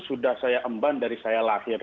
sudah saya emban dari saya lahir